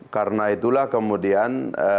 karena itulah kemudian